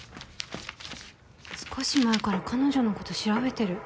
少し前から彼女のこと調べてる。